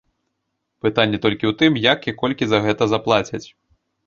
Пытанне толькі ў тым, як і колькі за гэта заплацяць?